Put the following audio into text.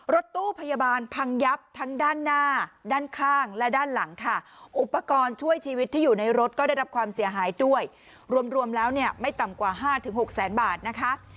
รถตู้พยาบาลพังยับทั้งด้านหน้าด้านข้างและด้านหลังค่ะอุปกรณ์ช่วยชีวิตที่อยู่ในรถก็ได้รับความเสียหายด้วยรวมแล้วเนี่ยไม่ต่ำกว่า๕๖แสนบาทนะคะ